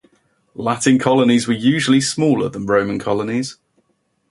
Latin colonies were usually smaller than Roman colonies.